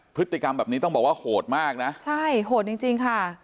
พฤติกรรมแบบนี้ต้องบอกว่าโหดมากนะใช่โหดจริงจริงค่ะ